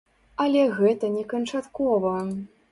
Але гэта не канчаткова.